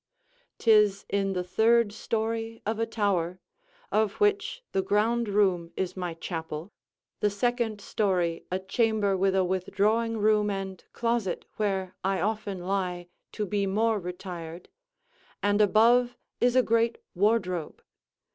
'Tis in the third storey of a tower, of which the ground room is my chapel, the second storey a chamber with a withdrawing room and closet, where I often lie, to be more retired; and above is a great wardrobe.